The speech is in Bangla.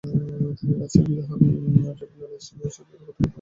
তিনি রাঁচির 'বিহার ট্রাইবাল রিসার্চ ইনস্টিটিউট'-এ অধিকর্তা হন।